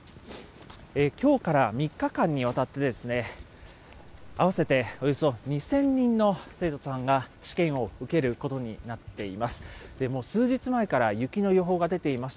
きょうから３日間にわたってですね、合わせておよそ２０００人の生徒さんが試験を受けることになっています。